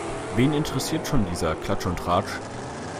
Wen interessiert schon dieser Klatsch und Tratsch?